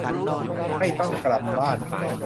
ไม่ต้องกลับบ้าน